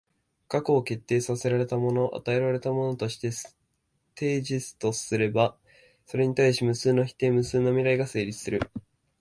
過去を決定せられたもの、与えられたものとしてテージスとすれば、それに対し無数の否定、無数の未来が成立する。